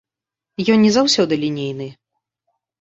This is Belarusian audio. Ён не заўсёды лінейны.